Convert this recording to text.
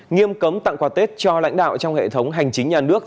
nghiêm cấm tặng quà tết cho lãnh đạo trong hệ thống hành chính nhà nước